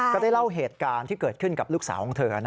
ก็ได้เล่าเหตุการณ์ที่เกิดขึ้นกับลูกสาวของเธอ